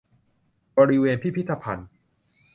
บริเวณพิพิธภัณฑ์